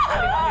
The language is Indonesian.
fani fani fan